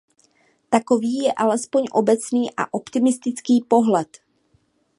Takový je aspoň obecný a optimistický pohled.